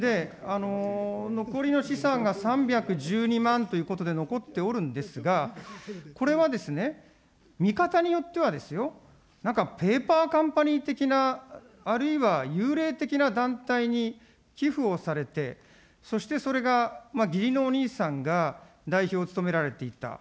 残りの資産が３１２万ということで、残っておるんですが、これはですね、見方によっては、なんかペーパーカンパニー的な、あるいは幽霊的な団体に寄付をされて、そしてそれが義理のお兄さんが代表を務められていた。